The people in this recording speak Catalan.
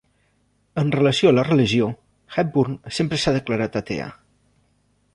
En relació amb la religió, Hepburn sempre s'ha declarat atea.